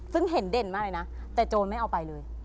ซึ่งเห็นเด่นมากเลยนะแต่โจรไม่เอาไปเลย